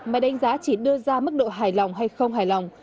mà đánh giá chỉ đưa ra mức độ hài lòng hay không hài lòng